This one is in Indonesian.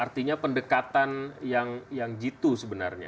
artinya pendekatan yang jitu sebenarnya